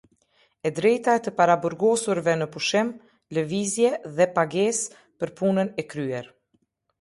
E drejta e të paraburgosurve në pushim, lëvizje dhe pagesë për punën e kryer.